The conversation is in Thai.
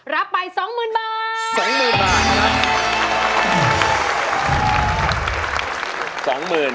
รับไป๒๐๐๐๐บาท